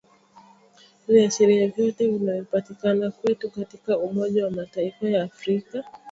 Viashiria vyote vinavyopatikana kwetu katika umoja wa Mataifa ya Afrika vinaonyesha kuwa nchi iko kwenye hatari kubwa alisema mjumbe wa Umoja wa Afrika